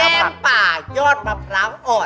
เออ